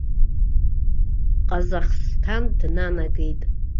Ҟазахсҭан днанагеит.